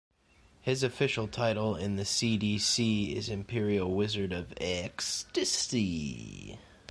His official title in the cDc is Imperial Wizard of ExXxtasy.